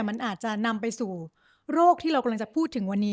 มันอาจจะนำไปสู่โรคที่เรากำลังจะพูดถึงวันนี้